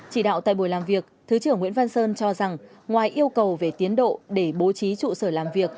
chỉ đạo tại buổi làm việc thứ trưởng nguyễn văn sơn cho rằng ngoài yêu cầu về tiến độ để bố trí trụ sở làm việc